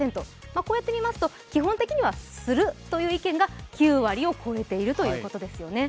こうやって見ますと、基本的には「する」という意見が９割を超えているということですね